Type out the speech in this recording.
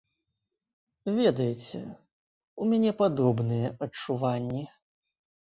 Ведаеце, у мяне падобныя адчуванні.